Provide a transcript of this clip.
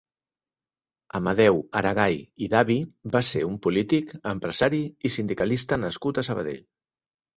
Amadeu Aragay i Davi va ser un polític, empresari i sindicalista nascut a Sabadell.